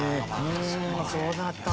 そうだった。